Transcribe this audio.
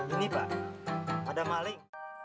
ini pak ada maling